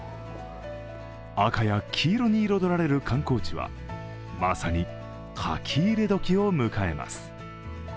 赤や黄色に彩られる観光地はまさに書き入れ時を迎えます。